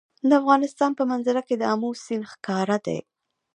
د افغانستان په منظره کې آمو سیند ښکاره دی.